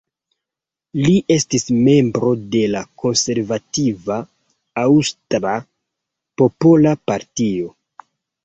Li estis membro de la konservativa Aŭstra Popola Partio.